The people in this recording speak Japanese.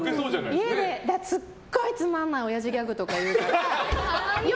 家で、すっごいつまんないオヤジギャグとか言うんですよ。